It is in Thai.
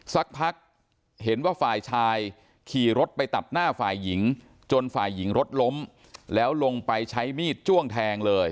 สักพักเห็นว่าฝ่ายชายขี่รถไปตัดหน้าฝ่ายหญิงจนฝ่ายหญิงรถล้มแล้วลงไปใช้มีดจ้วงแทงเลย